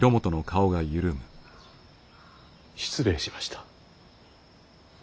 失礼しました。